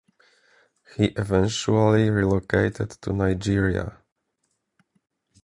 He eventually relocated to Nigeria.